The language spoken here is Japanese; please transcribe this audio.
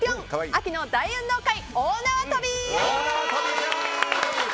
秋の大運動会！